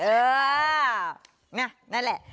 เออน่ะนั่นแหละ